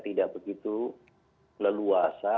tidak begitu leluasa